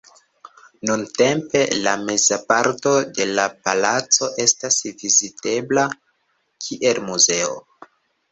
Nuntempe la meza parto de la palaco estas vizitebla kiel muzeo.